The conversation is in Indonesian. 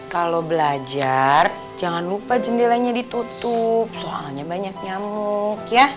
kalau belajar jangan lupa jendelanya ditutup soalnya banyak nyamuk ya